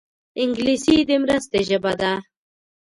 انګلیسي د مرستې ژبه ده